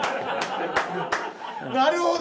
なるほど。